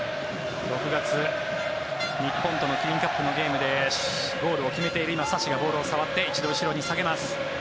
６月、日本とのキリンカップのゲームでゴールを決めているサシが一度ボールを触って後ろに下げます。